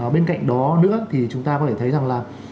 bên cạnh đó nữa thì chúng ta có thể thấy rằng là